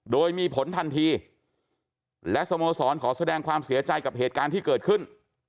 โดยมีผลทันทีและสโมสรขอแสดงความเสียใจกับเหตุการณ์ที่เกิดขึ้น